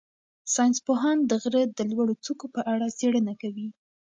ساینس پوهان د غره د لوړو څوکو په اړه څېړنه کوي.